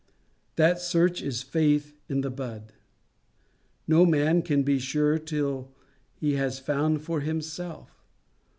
That search is faith in the bud. No man can be sure till he has found for himself.